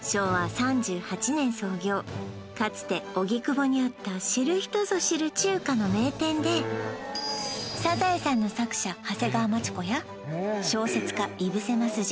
かつて荻窪にあった知る人ぞ知る中華の名店で「サザエさん」の作者長谷川町子や小説家井伏鱒二